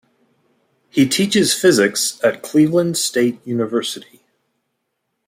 He teaches physics at Cleveland State University.